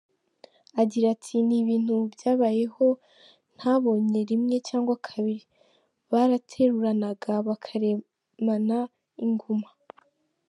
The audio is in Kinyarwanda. Agira ati “Ni ibintu byabayeho ntabonye rimwe cyangwa kabiri, barateruranaga bakaremana inguma.